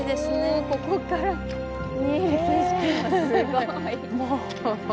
おここから見える景色もすごい。